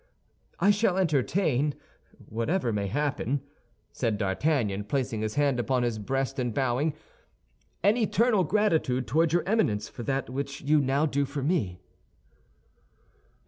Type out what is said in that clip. "I shall entertain, whatever may happen," said D'Artagnan, placing his hand upon his breast and bowing, "an eternal gratitude toward your Eminence for that which you now do for me."